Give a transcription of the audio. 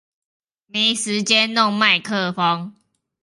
沒時間弄麥克風